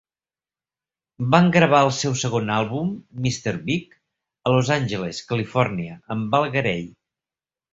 Van gravar el seu segon àlbum, "Mr Big", a Los Angeles, Califòrnia, amb Val Garay.